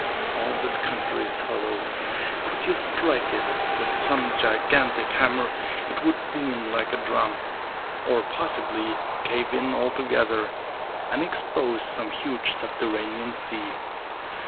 All this country is hollow. Could you strike it with some gigantic hammer it would boom like a drum, or possibly cave in altogether and expose some huge subterranean sea.